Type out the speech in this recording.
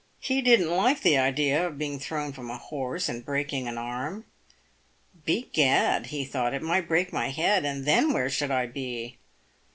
He didn't like the idea of being thrown from a horse and breaking an arm. " Begad," be thought, " it might break my head, and then where should I be ?